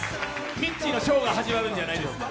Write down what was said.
ミッチーのショーが始まるんじゃないです。